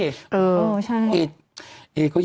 มะม่วงสุกก็มีเหมือนกันมะม่วงสุกก็มีเหมือนกัน